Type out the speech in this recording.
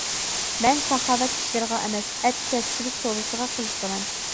-مەن ساخاۋەت ئىشلىرىغا ئەمەس، ئەتكەسچىلىك سودىسىغا قىزىقىمەن.